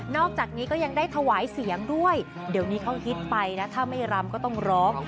อกจากนี้ก็ยังได้ถวายเสียงด้วยเดี๋ยวนี้เขาฮิตไปนะถ้าไม่รำก็ต้องร้อง